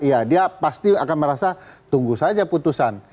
ya dia pasti akan merasa tunggu saja putusan